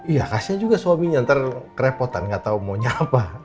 iya kasian juga suaminya ntar kerepotan gak tau maunya apa